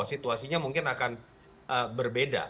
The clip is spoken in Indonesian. jadi itu mungkin akan berbeda